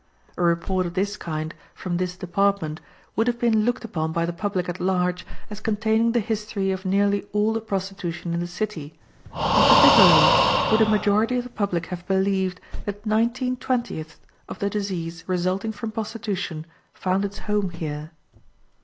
A report of this kind from this department would have been looked upon by the public at large as containing the history of nearly all the prostitution in the city, and particularly would a majority of the public have believed that nineteen twentieths of the disease resulting from prostitution found its home here.